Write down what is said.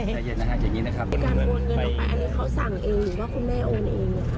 การโอนเงินออกไปอันนี้เขาสั่งเองหรือว่าคุณแม่โอนเอง